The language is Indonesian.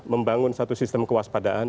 menanggung satu sistem kewaspadaan